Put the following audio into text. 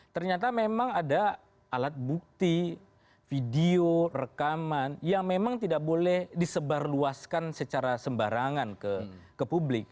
ternyata memang ada alat bukti video rekaman yang memang tidak boleh disebarluaskan secara sembarangan ke publik